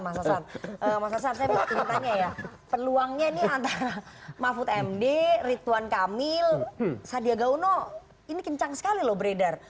mas hasan mas hasan saya mau tanya ya peluangnya ini antara mahfud md ritwan kamil sandiaga uno ini kencang sekali loh beredar